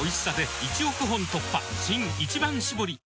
新「一番搾り」